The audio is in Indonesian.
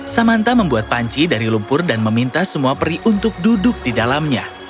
samanta membuat panci dari lumpur dan meminta semua peri untuk duduk di dalamnya